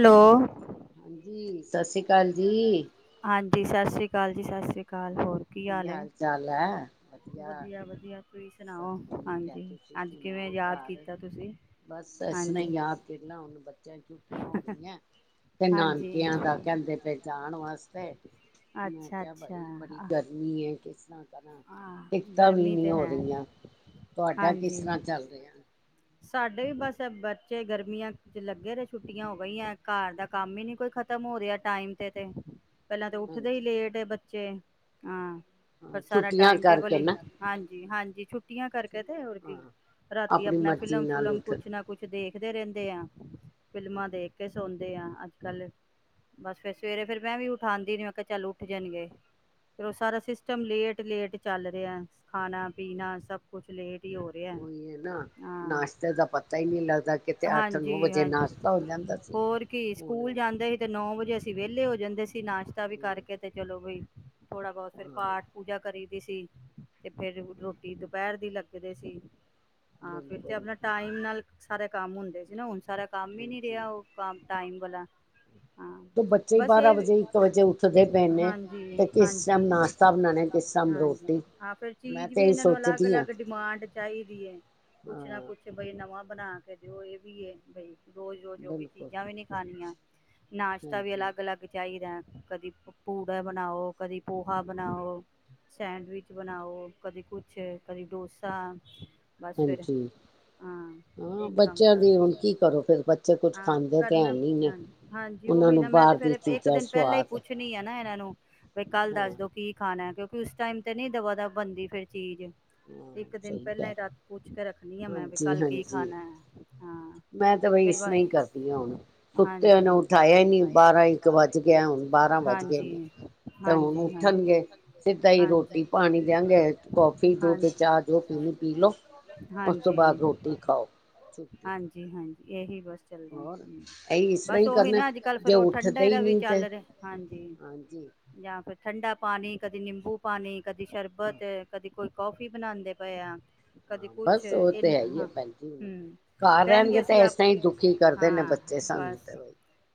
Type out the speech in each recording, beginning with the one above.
Hello ਹਾਂਜੀ ਸਤਿ ਸ੍ਰੀ ਅਕਾਲ ਜੀ ਹਾਂਜੀ ਸਤਿ ਸ਼੍ਰੀ ਅਕਾਲ ਜੀ ਸਤਿ ਸ਼੍ਰੀ ਅਕਾਲ ਕੀ ਹਾਲ ਚਾਲ ਹੈ ਵਧੀਆ ਸਭ ਠੀਕ ਹੈ ਤੁਸੀਂ ਸੁਣਾਓ ਘਰ ਬਸ ਇਸਨੇ ਯਾਦ ਕਰ ਲ ਹੁਣ ਬੱਚਾ ਹੋ ਗਈਆਂ ਤੇ ਨਾਨਕਿਆਂ ਦਾ ਕਹਿੰਦੇ ਪਹਿਚਾਣ ਵਾਸਤੇ ਮੈਂ ਕਿਹਾਿਆ ਭਾਈ ਬੜੀ ਗਰਮੀ ਹੈ ਕਿਸ ਤਰ ਦਿੱਕਤਾਂ ਵੀ ਨੀ ਹੋ ਰਹੀਆਂ ਤੁਹਾਡਾ ਕਿਸ ਤਰ੍ਹਾਂ ਚੱਲ ਰਿਹਾ? ਸਾਡੇ ਵੀ ਬਸ ਬੱਚੇ ਗਰਮੀਆਂ ਚ ਲੱਗੇ ਰਹੇ ਛੁੱਟੀਆਂ ਹੋ ਗਈਆਂ ਘਰ ਦਾ ਕੰਮ ਹੀ ਨਹੀਂੀ ਕੋਈ ਖਤਮ ਹੋ ਰਿਹਾ ਟਾਈਮ ਤੇ ਤੇ ਪਹਿਲਾਂ ਤਾਂ ਉੱਠਦੇ ਹੀ ਲੇਟੱਚ ਜੇ ਹਾਂ ਹਾਂ ਛੁੱਟੀਆਂ ਲੀ ਹਾਂਜੀ ਹਾਂਜੀ ਛੁੱਟੀ ਟੀਆਂ ਕਰਕੇ ਤੇ ਹੋਰ ਕੀ ਰਾਤੀ ਆਪਣਾ ਫਿਲਮ ਫੁਲਮ ਕੁਛ ਨਾ ਕੁਛ ਦੇਖ ਕਿਤੇ ਰਹਿੰਦੇ ਆ ਫਿਲਮਾਂ ਦੇਖ ਕੇ ਸੌਂਦੇ ਆਂ ਅੱਜ ਕੱਲ ਬਸ ਫਿਰ ਸਵੇਰੇ ਫਿਰ ਮੈਂ ਵੀ ਉਠਾਉਂਦੀ ਨ ਮੈਂ ਕਿਹਾ ਚੱਲ ਉੱਠ ਜਾਣਗੇ ਫਿਰ ਉਹ ਸਾਰਾ ਸਿਸਟਮ ਲੇਟ ਲੇਟ ਚੱਲ ਰਿਹਾ ਖਾਣਾ ਪੀਣਾ ਸਭ ਕੁਛ ਪਲੇਟ ਉਹੀ ਹੈ ਨਾ ਨਾਸ਼ਤੇ ਦਾ ਪਤਾ ਹੀ ਨਹੀਂੀ ਲੱਗਦਾ ਕਿਤੇ ਅੱਠ ਨੌ ਵਜੇ ਨਾਸ਼ਤਾ ਹੋ ਜਾਂਦਾ ਸੀ ਹੁਣ ਜੇ ਅਸੀਂ ਵਿਹਲੇ ਹੋ ਜਾਂਦੇ ਸੀ ਨਾਸ਼ਤਾ ਵੀ ਕਰਕੇ ਤੇ ਚਲੋ ਬਈ ਥੋੜ੍ਹਾ ਬਹੁਤ ਫਿਰ ਪਾਠ ਕਰੀ ਦੀ ਸੀ ਤੇ ਫੇਿਰ ਰੋਟੀ ਦੁਪਹਿਰ ਦੀ ਲੱ [unintelligible] ਹਾਂ ਫਿਰ ਤੇ ਆਪਣਾ ਟਾਈਮ ਨਾਲ ਸਾਰੇ ਕੰਮ ਹੁੰਦੇ ਸੀ ਨਾ ਹੁਣ ਸਾਰਾ ਕੰਮ ਹੀ ਨਹੀਂ ਰਿਹਾ ਉਹ ਕੰਮ ਟਾਈਮ ਵਲਾਂ ਬੱਚੇ ਬਾਰਾਂ ਵਜੇ ਇੱਕ ਵਜੇ ਉੱਠਦੇ ਪਏਦੇ ਤੇ ਕਿਸ ਟਾਈਮ ਨਾਸ਼ਤਾ ਬਣਾਉਣੇ ਹਾਂਜੀ ਹਾਂ ਫਿਰ ਚੀਜ਼ ਵੀ ਇਹਨਾਂ ਨੂੰ ਅਲੱਗ ਅਲੱਗ ਡਿਮਾਂਡ ਚਾਹੀਦੀ ਹੈ ਕੁਛ ਨਾ ਕੁਛ ਬਈ ਨਵਾਂ ਬਣਾ ਕੇ ਜ ਇਹ ਵੀ ਏ ਬਈ ਰੋਜ਼ ਰੋਜ਼ ਉਹੀ ਚੀਜ਼ਾਂ ਵੀ ਨੀ ਖਾਣੀਆਂ ਨਾਸ਼ਤਾ ਵੀ ਅਲੱਗ ਅਲੱਗ ਚਾਹੀਦਾ ਹੈ ਕਦੀ ਪੂੜਾ ਬਣਾਓ ਕਦੀ ਪੋਹਾ ਬਣਾਓ ਸੈਂਡਵਿਚ ਬਣਾਓ ਕਦੀ ਕੁਛ ਕਦੀ ਡੋਸਾ ਬਸ ਫਿਰ ਹਾਂ ਇਹੀ ਕੰਮ ਚੱਲ ਰਿ ਹਾਂ ਕਰਨਾ ਹਾਂਜੀ ਉਹੀ ਨਾ ਮੈਂ ਤੇ ਫਿਰ ਇੱਕ ਦਿਨ ਪਹਿਲਾਂ ਹੀ ਪੁੱਛਣੀ ਆ ਨਾ ਇਹਨਾਂ ਨੂੰ [inaudible] ਬ ਕੱਲ ਦੱਸ ਦੋ ਕੀ ਖਾਣਾ ਉਸ ਟਾਈਮ ਤੇ ਨੀ ਦਵਾ ਦਵ ਬਣਦੀ ਫਿਰ ਚੀਜ਼ ਇੱਕ ਦਿਨ ਪਹਿਲਾਂ ਹੀ ਰਾਤ ਪੁੱਛ ਕੇ ਰੱਖਣੀ ਆ ਮੈਂ ਵੀ ਕੱਲ ਕੀ ਖਾਣਾ ਹੈ ਹਾਂ ਫਿਰਸ ਹਾਂਜੀ ਹਾਂਜੀ ਹਾਂਜੀ ਹ ਹੀ ਰੋਟੀ ਪਾਣੀ ਦਿਆਂਗੇ ਕੁ ਦੋ ਤੇ ਚਾਹ ਜੋ ਪੀਣੀ ਪੀ ਲੋਓ ਉਸ ਤੋਂ ਬਾਅਦ ਰੋਟੀ ਖਾਓ ੁ ਹਾਂਜੀ ਇਹੀ ਬਸ ਚੱਲ ਬਸ ਉਹੀ ਨਾ ਅੱਜ ਕੱਲ ਫਿਰ ਉਹ ਠੰਡੇ ਦਾ ਵੀ ਚੱਲ ਰਿਹਾ ਹਾਂਜੀ ਜਾਂ ਫਿਰ ਠੰਡਾ ਪਾਣੀ ਕਦੇ ਨਿੰਬੂ ਪਾਣੀ ਕਦੀ ਸ਼ਰਬਤ ਕਦੀ ਕੋਈ ਕੌਫੀ ਬਣਾਉਂਦੇ ਪਏ ਆ ਕਦੇ ਕੁਛ ਇਨਾ ਹ ਹਮ ਕਹਿਣਗੇ ਅਸੀਂ ਹਾਂ ਬਸ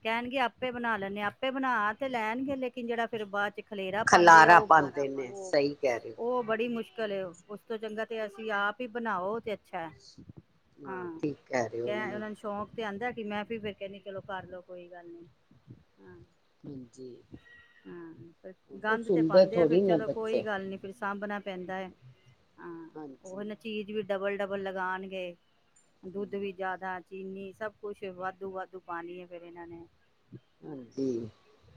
ਕਹਿਣਗੇ ਆਪੇ ਬਣਾ ਲੈਦੇ ਆਪ ੇ ਬਣਾ ਤੇ ਲੈਣਗੇ ਲੇਕਿਨ ਜਿਹੜਾ ਫਿਰ ਬਾਅਦ ਚ ਖਲੇਰਾ ਪਾਉਂਦੇ ਆ ਉਹ ਸਹੀ ਕਹਿ ਰਓ ਘ ਲਓ ਉਸ ਤੋਂ ਚੰਗਾ ਤੇ ਅਸੀਂ ਆਪ ਹੀ ਬਣਾਓ ਤੇ ਅੱਛਾ ਹੈ ਹਾਂ ਕ ਉਹਨਾਂ ਨੂੰ ਸ਼ੌਕ ਤੇ ਆਉਂਦਾ ਮੈਂ ਵੀ ਫੇਰ ਕਹਿੰਦੀ ਚਲੋ ਕਰਲੋ ਕੋਈ ਗੱਲ ਨੀ ਹਾਂਜੀ ਉਹ ਤਾਂ ਸੁਣਦੇ ਥੋੜੀ ਨੇ ਬ ਕੋਈ ਗੱਲ ਨੀ ਫ ਸਾਂਭਣਾ ਪੈਂਦਾ ਹੈ ਹਾਂਜੀ। ਡਬਲ ਡਬਲ ਲਗਾਉਣਗੇ। ਦੁੱਧ ਵੀ ਜਿਆਦਾ ਚੀਨੀ ਸਭ ਕੁਛ ਵਾਧੂ ਵਾਧੂ ਪਾਣੀ ਹੈ ਫੇਰ ਇਹਨਾਂ ਨੇ, ਹਾਂਜੀ।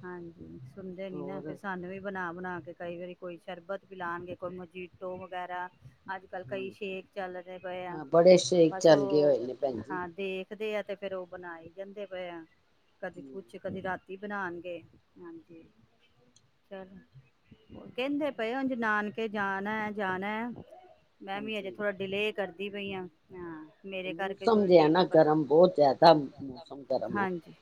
ਹਾਂਜੀ। ਸੁਣਦੇ ਨੀ ਨਾ ਫਿਰ ਸਾਨੂੰ ਵੀ ਬਣਾ ਬਣਾ ਕੇ ਕਈ ਵਾਰੀ ਕੋਈ ਸ਼ਰਬਤ ਵੀ ਲਾਉਣਗੇ ਕੋਈ ਮਜੀਟੋ ਵਗੈਰਾ, ਅੱਜ ਕੱਲ੍ਹ ਕਈ ਛੇਕ ਚੱਲ ਰਹੇ ਪਏ ਆ ਬਸ ਉਹ, ਹਾਂ ਤੇ ਦੇ ਆ ਤੇ ਫੇਰ ਉਹ ਬਣਾ ਹੀ ਜਾਂਦੇ ਪਏ ਆ, ਕਦੀ ਪੁਛ ਕਦੀ ਰਾ ਕੀ ਬਣਾਉਣਗੇ ਹਾਂਜੀ, ਚਲ। ਕਹਿੰਦੇ ਪਏ ਉਜ ਨਾਨਕੇ ਜਾਣਾ ਜਾਣਾ ਮੈਂ ਵੀ ਅਜੇ ਥੋੜਾ ਡਿਲੇਅ ਕਰਦਾ ਪਈਆਂ ਹਾਂ, ਮੇਰੇ ਕਰਕੇ ਥੋੜੇ ਢਿੱਲ ਪ, ਹਾਂਜੀ,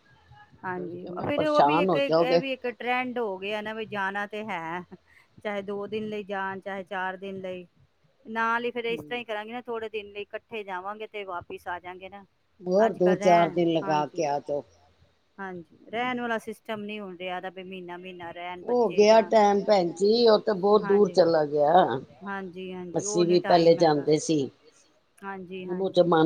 ਹਾਂਜੀ, ਫਿਰ ਉਹ ਵੀ ਇੱਕ ਇਹ ਵੀ ਇੱਕ ਟ੍ਰੈਂਡ ਹੋ ਗਿਆ ਨਾ ਵੀ ਜਾਣਾ, ਤੇ ਹੈ। ਚਾਹੇ ਦੋ ਦਿਨ ਲਈ ਜਾਣ ਚਾਹੇ ਚਾਰ ਦਿਨ ਲਈ, ਨਾਲ ਹੀ ਫੇਰ ਇਸ ਤਰ੍ਹਾਂ ਹੀ ਕਰਾਂਗੇ ਨਾ ਥੋੜੇ ਦਿਨ ਲਈ ਇੱਕਠੇ ਜਾਵਾਂਗੇ ਤੇ ਵਾਪਿਸ ਆ ਜਾਗੇ ਨਾ, ਹੋਰ ਦੋ ਚਾਰ ਦਿਨ ਲਗਾ ਕੇ ਆ ਜੋ। ਹਾਂਜੀ, ਰਹਿਣ ਵਾਲਾ ਸਿਸਟਮ ਨੀ ਹੋਣ ਰਿਹਾ ਦਾ ਮਹੀਨਾ- ਮਹੀਨਾ, ਰੈਣ ਬੱਚੇ ਜਾਂ ਉਹ ਤੇ ਬਹੁਤ ਦੂਰ ਚਲਾ ਗਿਆ। ਹਾਂਜੀ ਉਹ ਨੀ ਟਾਈਮ ਹੈਗਾ, ਹਾਂਜੀ-ਹਾਂਜੀ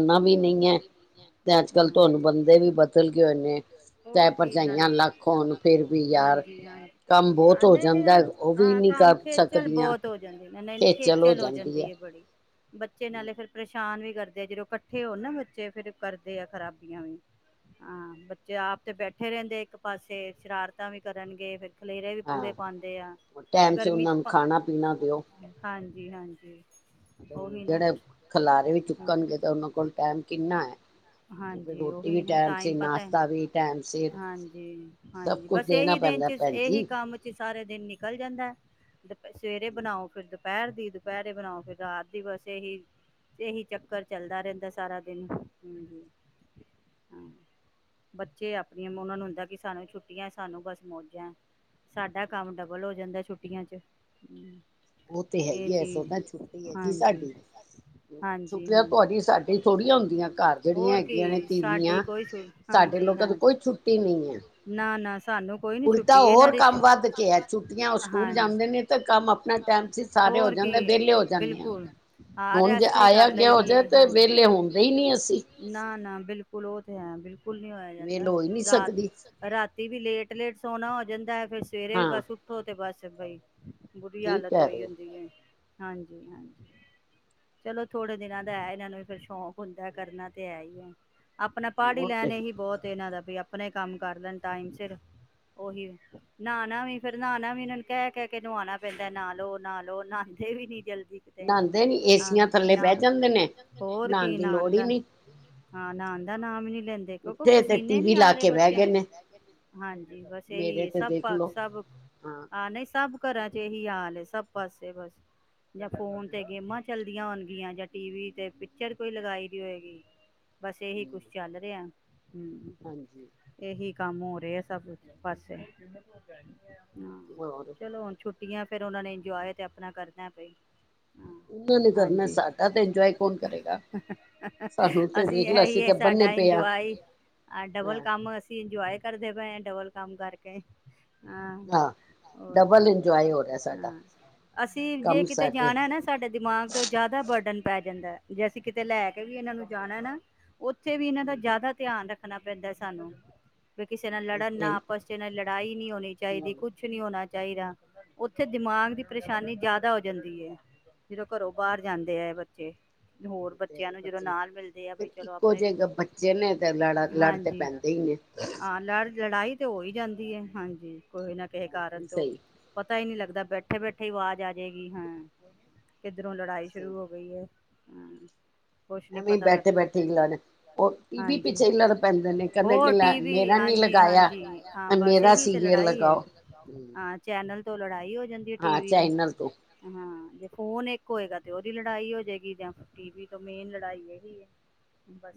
ਹੋਰ ਕੀ ਨਾਲ ਹਾਂਜੀ ਹ ਨਹੀਂ ਨਹੀਂ ਏਹ ਹਾਂ ਕੰਮ ਖੇਚੱਲ ਬਹੁਤ ਹੋ ਜਾਂਦੀ ਨਹੀਂ-ਨਹੀਂ ਖ ਚਲ ਹੋ ਜਾਂਦੀ ਹੈ ਬੜੀ ਬੱਚੇ ਨਾਲੇ ਫੇਰ ਪਰੇਸ਼ਾਨ ਨੁਕਸ਼ਾਨ ਵੀ ਕਰਦੇ ਆ ਜਦੋਂ ਇਕੱਠੇ ਹੋਣ ਨਾ ਬੱਚੇ ਫੇਰ ਕਰਦੇ ਆ ਖ਼ਰਾਬੀਆਂ ਵੀ ਹਾਂ ਬੱਚੇ ਆਪ ਤੇ ਬੈਠੇ ਰਹਿੰਦੇ ਇੱਕ ਪਾਸੇ ਸ਼ਰਾਰਤਾਂ ਵੀ ਕਰਨਗੇ ਫਿਰ ਖਲੇਰੇ ਵੀ ਪੂਰੇ ਪਾਉਂਦੇ ਆ। ਟਾਈਮ ਸਿਰ ਉਹਨਾਂ ਨੂੰ ਖਾਣਾ ਪੀਣਾ ਦਿਓ। ਹਾਂਜੀ-ਹਾਂਜੀ। ਜਿਹੜੇ ਖਿਲਾਰੇ ਵੀ ਚੁੱਕਣਗੇ ਤੇ ਉਹਨਾਂ ਕੋਲ ਟਾਈਮ ਕਿੰਨਾ ਹੈ, ਫਿਰ ਰੋਟੀ ਵੀ ਟਾਈਮ ਸਿਰ ਨਾਸ਼ਤਾ ਵੀ ਟਾਈਮ ਸਿਰ ਸਭ ਕੁਛ ਦੇਣਾ ਪੈਂਦਾ ਭੈਣ ਜੀ। ਸਾਰੇ ਦਿਨ ਨਿਕ ਕਲ ਜਾਂਦਾ। ਸਵੇਰੇ ਬਣਾਓ ਫਿਰ ਦੁ ਦੁਪਹਿਰ ਦੀ ਦੁਪਹਿਰੇ ਬਣਾਓ ਫਿਰ ਰਾਤ ਦੀ ਬਸ ਇਹੀ-ਇਹੀ ਚੱਕਰ ਚੱਲਦਾ ਰਹਿੰਦਾ ਸਾਰਾ ਦਿਨ ਹਮ ਹਾਂ ਬੱਚੇ ਆਪਣੀਆਂ ਉਹਨਾਂ ਨੂੰ ਹੁੰਦਾ ਕਿ ਸਾਨੂੰ ਛੁੱਟੀਆਂ ਸਾਨੂੰ ਬਸ ਮੌਜਾਂ ਸਾਡਾ ਕੰਮ ਵਲ ਹੋ ਜਾਂਦਾ ਛੁੱਟੀਆਂ ਚ। ਉਹ ਤੇ ਹੈ ਹੀ ਹੈ ਇਸੋ ਤਾਂ ਛੁੱਟੀ ਹੈ ਜੀ ਸਾਡੀ ਛੁੱਟੀਆਂ ਤੁਹਾਡੀ ਸਾਡੀ ਥੋੜੀਆਂ ਹੁੰਦੀਆਂ ਘਰ ਜਿਹੜੀਆਂ ਹੈਗੀਆਂ ਨੇ ਤੀਵੀਆਂ ਸਾਡੇ ਲੋਕਾਂ ਦੀ ਕੋਈ ਛੁੱਟੀ ਨਹੀਂ ਹੈ ਉਲਟਾ ਹੋਰ ਕੰਮ ਵੱਧ ਗਿਆ ਉਹ ਸਕੂਲ ਜਾਂਦੇ ਨੇ ਤਾਂ ਕੰਮ ਆਪਣਾ ਹੋਰ ਕੀ ਬਿਲਕੁਲ ਹਾਂ ਰੈਸਟ ਵੀ ਕਰ ਲਈ ਦੀ ਏ ਹਾਂਜੀ ਨਾ ਨਾ। ਬਿਲਕੁਲ ਉਹ ਤੇ ਹੈ ਬਿਲ ਕੁਲ ਨੀ ਹੋਇਆ ਜਾਂਦਾ ਰਾਤ ਰਾਤੀ ਵੀ ਲੇਟ-ਲੇਟ ਸੋਨਾ ਹੋ ਜਾਂਦਾ ਹੈ। ਫਿਰ ਸਵੇਰੇ ਵੀ ਬਸ ਉ ਬਸ ਬਈ ਬੁਰੀ ਹਾਲਤ ਹੋਈ ਹੁੰਦੀ ਹੈ। ਹਾਂਜੀ-ਹਾਂਜੀ ਚਲੋ ਥੋੜੇ ਦਿਨਾਂ ਦਾ ਹੈ ਇਹਨਾਂ ਨੂੰ ਫਿਰ ਸ਼ੌਂਕ ਹੁੰਦਾ ਕਰਨਾ ਤੇ ਹੈ ਹੀ ਹੈ। ਆਪਣਾ ਪੜ ਹੀ ਲੈਣ ਏਹ ਹੀ ਬਹੁਤ ਇਹਨਾਂ ਦਾ। ਤੇ ਆਪਣੇ ਕੰਮ ਕਰ ਲੈਣ ਟਾਈਮ ਸਿਰ ਓਹੀ ਨਹਾਉਣਾ ਵੀ ਫਿਰ ਨਹਾਉਣਾ ਵੀ ਇਹਨਾਂ ਨੂੰ ਕਹਿ-ਕਹਿ ਕੇ ਨੁਹਾਉਣਾ ਪੈਂਦਾ ਨਹਾ ਲਓ ਨਹਾ ਲਓ ਨਹਾਉਦੇ ਵੀ ਨੀ ਜਲ ਤੇ ਹੋਰ ਕੀ ਨਹਾਉਣ ਦਾ ਹਾਂ ਨਹਾਉਣ ਦਾ ਨਾਮ ਨੀ ਲੈਂਦੇ ਕਿਉਂਕਿ ਪਸੀਨੇ ਨੀ ਆ ਰਹੇ ਬੱਚਿਆ ਨੂੰ ਹਾਂਜੀ ਬਸ ਇਹੀ ਹੈ ਸਭ ਪਾ ਸਭ ਆਹ ਨਹੀਂ ਸਭ ਘਰਾਂ ਚ ਇਹੀ ਹਾਲ ਸਭ ਪਾਸੇ ਬਸ ਜਾਂ ਫੋਨ ਤੇ ਗੇਮਾਂ ਚੱਲਦੀਆ ਹੋਣਗੀਆਂ ਜਾਂ ਟੀਵੀ ਤੇ ਪਿਕਚਰ ਕੋਈ ਲਗਾਈ ਦੀ ਹੋਏਗੀ ਬਸ ਇਹੀ ਕੁਛ ਚੱਲ ਰਿਹਾ ਹਮ ਇਹੀ ਕੰਮ ਹੋ ਰਿਹੇ ਆ ਸਭ ਪਾਸੇ ਹੋਰ ਟੀਆਂ ਫਿਰ ਉਹਨਾ ਨੇ ਇੰਜੋਏ ਤੇ ਆਪਣਾ ਕਰਨਾ ਬਈ ਹਾਂਜੀ ਅਸੀਂ ਇਹੀ ਹੈ ਸਾਡਾ ਇੰਜੋਏ ਡਬਲ ਕੰਮ ਅਸੀਂ ਇੰਜੋਏ ਕਰ ਦੇ ਪਏ ਹੈ ਡਬਲ ਕੰਮ ਕਰਕੇ ਹਾਂ ਹੋਰ ਕੀ ਹਾਂ ਅਸੀਂ ਜੇ ਕਿਤੇ ਜਾਣਾ ਨਾ ਸਾਡੇ ਦਿਮਾਗ ਤੋਂ ਜ਼ਿਆਦਾ ਵਰਡਨ ਪੈ ਜਾਂਦਾ ਜੇ ਅਸੀਂ ਕਿਤੇ ਲੈ ਕੇ ਵੀ ਇਹਨਾਂ ਨੂੰ ਜਾਣਾ ਨਾ ਉੱਥੇ ਵੀ ਇਹਨਾਂ ਦਾ ਜ਼ਿਆਦਾ ਧਿਆਨ ਰੱਖਣਾ ਪੈਂਦਾ ਸਾਨੂੰ ਵੀ ਕਿਸੇ ਨਾਲ ਲੜਨ ਨਾ ਆਪਸ ਚ ਇਹਨਾਂ ਲੜਾਈ ਨਹੀਂ ਹੋਣੀ ਚਾਹੀਦੀ ਕੁੱਛ ਨੀ ਹੋਣਾ ਚਾਹੀਦਾ ਉੱਥੇ ਦਿਮਾਗ ਦੀ ਪਰੇਸ਼ਾਨੀ ਜ਼ਿਆਦਾ ਹੋ ਜਾਂਦੀ ਹੈ ਜਦੋਂ ਘਰੋਂ ਬਾਹਰ ਜਾਂਦੇ ਹੈ ਬੱਚੇ ਹੋਰ ਬੱਚਿਆਂ ਨੂੰ ਜਦੋਂ ਨਾਲ ਮਿਲਦੇ ਆ ਬ ਚਲੋ ਆਪਣੇ ਹਾਂਜੀ ਹਾਂ ਲੜ ਲੜਾਈ ਤੇ ਹੋ ਹੀ ਜਾਂਦੀ ਹੈ ਹਾਂਜੀ ਕੋੇ ਨਾ ਕਿਸੇ ਕਾਰਨ ਤੋਂ ਪਤਾ ਹੀ ਨਹੀ ਲੱਗਦਾ ਬੈਠ ਬੈਠੇ ਬੈਠੇ ਆਵਾਜ਼ ਆਜਏਗੀ ਹਾਂ ਕਿੱਧਰੋਂ ਲੜਾਈ ਸ਼ੁਰੂ ਹੋ ਗਈ ਹੈ ਕੁਛ ਨੀ ਪਤਾ ਲੱਗਦਾ ਹਾਂਜੀ ਹੋਰ ਟੀ ਵੀ ਹਾਂਜੀ ਹਾਂਜੀ ਹਾਂ ਬਸ ਇਹੀ ਤੇ ਲ ੜਾ ਹੀ ਹੈ ਹਾਂ ਚੈਨਲ ਲੜਾਈ ਹੋਈ ਜਾਂਦੀ ਆ ਟੀ ਵੀ ਦੇ ਹਾਂ ਜੇ ਫੋਨ ਇੱਕ ਹੋਏਗਾ ਤੇ ਉਹਦੀ ਲੜਾਈ ਹੋ ਜਾਏਗੀ ਜਾਂ ਟੀਵ ਤੋਂ ਮੇਨ ਲੜਾਈ ਇਹੀ ਆ ਬਸ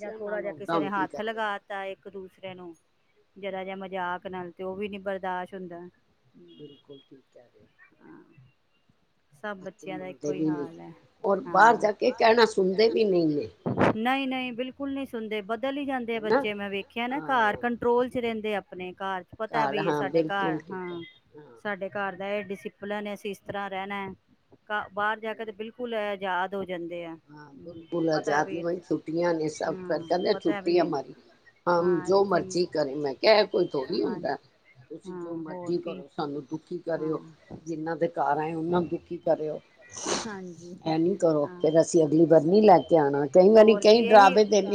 ਜਾਂ ਥੋੜਾ ਜਿਹਾ ਕਿਸੇ ਨੇ ਹੱਥ ਲਗਾ ਤਾ ਇੱਕ ਦੂਸਰੇਿਆਂ ਨੂੰ ਜਰਾ ਜਿਹਾ ਮਜ਼ਾਕ ਨਾਲ ਤੇ ਉਹ ਵੀ ਨੀ ਬਰਦਾਸ਼ਤ ਹੁੰਦਾ ਬਿਲਕੁਲ ਠੀਕ ਆ ਕਹਿ ਰ ਬੱਚੇ ਮੰਗਦੇ ਵੀ ਨਹੀਂ ਬਾਹਰ ਜਾ ਕੇ ਕਹਿਣਾ ਸੁਣਦੇ ਵੀ ਨਹੀਂ ਨੇ ਦੇ ਉੱਧਰ ਹੀ ਜਾਂਦੇ ਆ ਬੱਚੇ ਮੈਂ ਵੇਖਿਆ ਨਾ ਘਰ ਕੰਟਰੋਲ ਚ ਰਹਿੰਦੇ ਆ ਆਪਣੇ ਘਰ ਪਤਾ ਵੀ ਸਾਡੇ ਘਰ ਹਾਂ ਸਾਡੇ ਘਰ ਦਾ ਇਹ ਡਿਸ ਡਿਸਿਪਲਿਨ ਐ ਅਸੀ ਇਸ ਤਰਹਾਂ ਰਹਿਨਾ ਐ। ਕਾ ਬਾਹਰ ਜਾ ਕੇ ਤੇ ਬਿਲਕੁਲ ਇਹ ਯਾਦ [unintelligible] ਹਾਂ ਬਿਲਕੁਲ ਆਜਾਦੀ ਬਈ ਛੁੱਟੀਆਂ ਨੇ ਸਭ ਫਿਰ ਕਹਿੰਦੇ ਛੁੱਟੀ ਹੈ ਹਮਾਰੀ ਹਮ ਜੋ ਮਰਜੀ ਕਰੇਂ ਮੈਂ ਕਿਹਾ ਇਹ ਕੋਈ ਥੋੜੀ ਹੁੰਦਾ ਐ ਤੁਸੀ ਜੋ ਮਰਜੀ ਕਰੋ ਸਾਨੂੰ ਦੁਖੀ ਕਰਿਓ ਜਿੰਹਨਾਂ ਦੇ ਘਰ ਆਏਂ ਉਹਨਾਂ ਦੁਖੀ ਕਰਿਆ ਐ ਹੁਹ ਇਹ ਨੀ ਕਰੋ। [inaudible] ਹੋਰ ਕੀ ਇਹੀ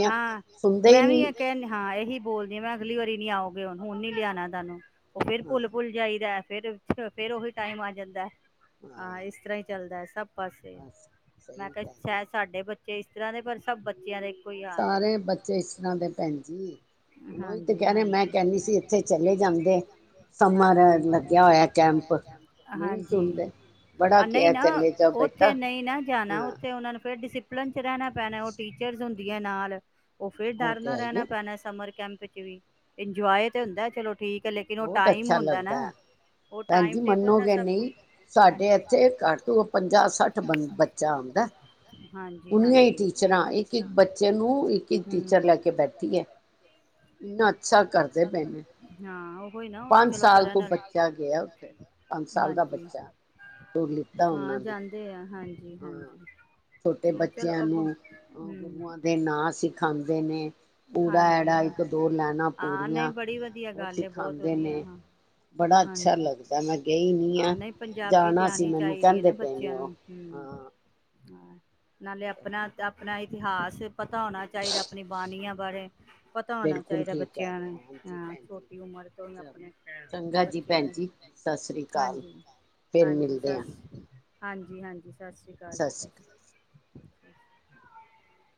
ਹਾਂ ਮੈਂ ਵੀ ਇਹ ਕਹਿਨੀ ਹਾਂ ਇਹੀ ਬੋਲਦੀਆਂ ਮੈਂ ਅਗਲੀ ਵਾਰੀ। ਨੀ ਆਓਗੇ ਹੁਨ ਹੁਨ ਨੀ ਲਿਆਨਾ ਤੁਹਾਨੂੰ ਉਹ ਫੇਰ ਭੁੱਲ-ਭੁੱਲ ਜਾਈਦਾ ਐ। ਫੇਰ-ਫੇਰ ਉਹੀ ਟਾਈਮ ਆ ਜਾਂਦਾ ਹੈ। ਹਾਂ ਇਸ ਤਰਹਾਂ ਹੀ ਚੱਲਦਾ ਹੈ ਸ ਪਾਸੇ ਮੈਂ ਕਿਹਾ ਸ਼ਾਇਦ ਸਾਡੇ ਬੱਚ ਇਸ ਤਰ੍ਹਾਂ ਦੇ ਪਰ ਸਭ ਬੱਚਿਆਂ ਦੇ ਸਾਰੇ ਬੱਚੇ ਇਸ ਤਰ੍ਹਾਂ ਦੇ ਭੈਣ ਜੀ। ਹਾਂਜੀ-ਹਾਂਜੀ-ਹਾਂਜੀ ਆ ਹਾਂਜੀ ਆ ਨਹੀਂ ਨਾ ਉੱਥੇ ਨਹੀਂ ਨਾ ਜਾਨਾ ਉੱਥੇ ਉਹਨਾ ਨੂੰ ਫੇਰ ਫੇਰ ਡਿਸਿਪਲਿਨ ਚ ਰਹਿਣਾ ਪੈਣਾ ਹੈ ਉਹ ਟੀਚਰਜ਼ ਹੁੰਦੀ ਐ ਨਾਲ। ਉਹ ਫੇਰ ਡਰਨਾ ਰਹਿਨਾ ਪੈਨਾ ਸ ਪਰ ਕੈਂਪ ਚ ਵੀ ਇੰਜੋਯ ਤੇ ਹੁੰਦਾ ਐ ਚਲੋ ਬਹੁਤ ਅੱਛਾ ਲੱਗਦਾ ਹੈ ਭੈਣ ਜੀ ਮੰਨੋਗੇ ਨਹੀਂ ਸਾਡੇ ਇੱਥੇ ਘੱਟੋ ਪੰਜਾਹ ਸੱਠ ਬੰ ਬੱਚਾ ਆਉਂਦਾ ਐ ਉਨੀਆਂ ਹੀ ਟੀਚਰਾਂ ਇੱਕ-ਇੱਕ ਬੱਚੇ ਨੂੰ ਇੱਕ-ਇੱਕ ਟੀਚਰ ਲਏ ਕੇ ਬੈਠੀ ਹੈ। ਇੰਹਨਾਂ ਅੱਛਾ ਕਰਦੇ ਪਏ ਨੇਂ। ਪੰਜ ਸਾਲ ਤੋ ਬੱਚਾ ਗਿਆ ਉੱਥੇ ਪੰਜ ਸਾਲ ਦਾ ਬੱਚਾ ਓਹ ਲਿੱਤਾ ਉਹਨਾਂ ਨੇ ਹਾਂ ਛੋਟੇ ਬੱਚਿਆਂ ਨੂੰ ਗੁਰੂਆਂ ਦੇ ਨਾਂ ਸਿਖਾਉਂਦੇ ਨੇ ਉੜਾ ਜੀ ਹਾਂ [inaudible] ਆ ਨਹੀਂ ਬੜੀ ਵਧੀਆ ਗੱਲ ਏ ਬਹੁਤ ਦੇ ਨੇ ਬੜਾ ਅੱਛਾ ਲੱਗਦਾ ਮੈਂ ਗਈ ਹੋਈਆਂ ਜਾਣਾ ਸੀ ਮੈਨੂੰ ਕਹਿੰਦੇ ਪਏ ਨੇ ਉਹ ਹਾਂ। ਹਾਂ ਨਾਲੇ ਆਪਨਾ ਤੇ ਅਪ ਆਪਣਾ ਇਤਿਹਾਸ ਪਤਾ ਹੋਣਾ ਚਾਹੀਦਾ ਆਪਨੀ ਬਾਨੀਆਂ। ਬਾਰੇ ਪਤਾ ਹੋਉਨਾ ਚਾਹੀਦਾ ਬੱਚਿਆਂ ਨੂੰ ਹਾਂ ਛੋਟੀ ਉਮਰ ਤੋਂ ਹੁਨ ਆਪਨੇ ਬੱਚਿਆਂ ਨੂੰ [inaudible] ਹਾਂਜੀ-ਹਾਂਜੀ ਸਤ ਸ਼ ਹਾਂਜੀ ਹਾਂਜੀ ਸਤਿ ਸ੍ਰੀ ਅਕਾਲ ਜੀ ਸਤ ਸ਼੍ਰ